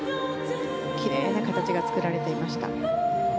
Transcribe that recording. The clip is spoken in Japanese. きれいな形が作られていました。